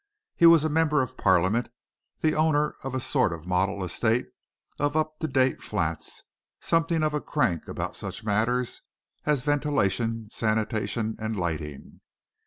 He was a Member of Parliament, the owner of a sort of model estate of up to date flats, and something of a crank about such matters as ventilation, sanitation, and lighting.